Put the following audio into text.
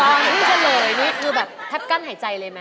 ที่เฉลยนี่คือแบบแทบกั้นหายใจเลยไหม